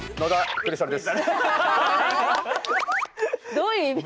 どういう意味。